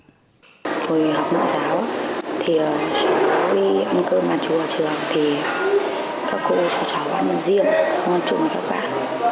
hồi học nội giáo khi đi ăn cơm bàn chùa trường thì các cô cho cháu ăn riêng ngon chung với các bạn